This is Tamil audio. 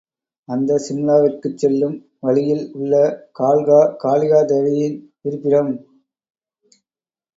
அந்த சிம்லாவிற்குச் செல்லும் வழியில் உள்ள கால்கா, காளிகா தேவியின் இருப்பிடம்.